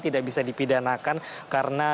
tidak bisa dipidanakan karena